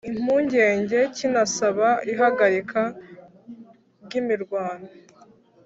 impungenge kinasaba ihagarika ry'imirwano.